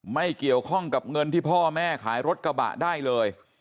ไม่เกี่ยวข้องกับเงินที่พ่อแม่ขายรถกระบะได้เลย